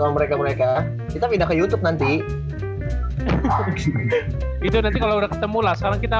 sama mereka mereka kita pindah ke youtube nanti itu nanti kalau udah ketemu lah sekarang kita